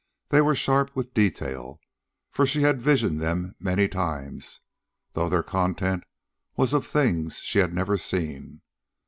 They were sharp with detail, for she had visioned them many times, though their content was of things she had never seen.